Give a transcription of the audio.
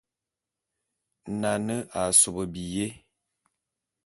Nane a sob biyé.